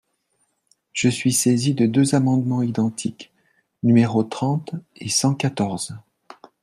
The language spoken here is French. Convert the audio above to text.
Je suis saisi de deux amendements identiques, numéros trente et cent quatorze.